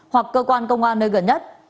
hoặc cơ quan công an nơi gần nhất